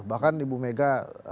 bahkan ibu mega